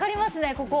ここ。